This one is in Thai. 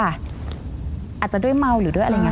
อาจจะด้วยเมาหรือด้วยอะไรอย่างนี้